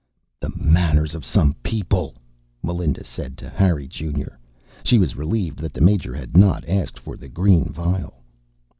"The manners of some people," Melinda said to Harry Junior. She was relieved that the Major had not asked for the green vial.